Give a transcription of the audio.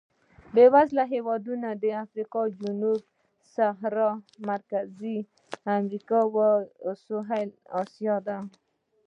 بېوزله هېوادونه د افریقا جنوبي صحرا، مرکزي امریکا او سوېلي اسیا دي.